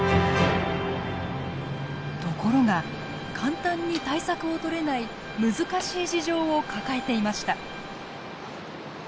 ところが簡単に対策をとれない難しい事情を抱えていました。